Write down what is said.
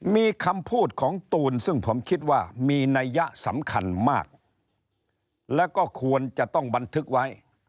มีคำพูดของตูนซึ่งผมคิดว่ามีนัยยะสำคัญมากแล้วก็ควรจะต้องบันทึกไว้